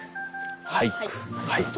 はい。